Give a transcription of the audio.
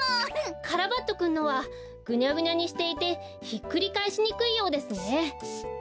カラバッチョくんのはぐにゃぐにゃにしていてひっくりかえしにくいようですね。